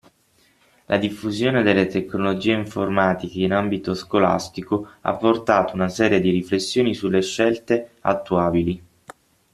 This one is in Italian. La diffusione delle tecnologie informatiche in ambito scolastico ha portato una serie di riflessioni sulle scelte attuabili.